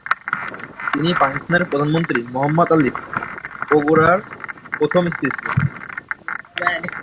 তিনি পাকিস্তানের প্রধানমন্ত্রী মোহাম্মদ আলী বগুড়ার প্রথম স্ত্রী ছিলেন।